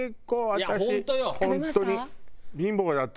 本当に。